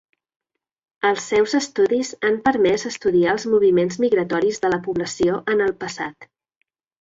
Els seus estudis han permès estudiar els moviments migratoris de la població en el passat.